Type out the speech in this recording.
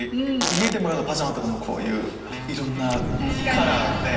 家でもパジャマとかもこういういろんなカラーで。